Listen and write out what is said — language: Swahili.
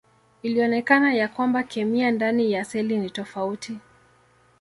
Ilionekana ya kwamba kemia ndani ya seli ni tofauti.